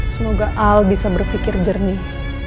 semoga al bisa berpikir jernih